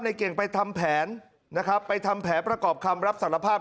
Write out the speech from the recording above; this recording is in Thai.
เก่งไปทำแผนนะครับไปทำแผนประกอบคำรับสารภาพ